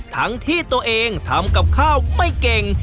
ทั้งที่ตัวเองทำกับข้าวไม่เก่ง